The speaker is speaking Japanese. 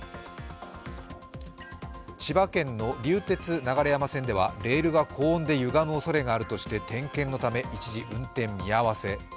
千葉県の流鉄流山線ではレールが高温でゆがむおそれがあるとして点検のため一時運転見合わせ。